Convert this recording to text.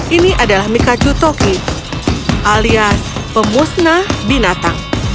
ini adalah mikaju toki alias pemusnah binatang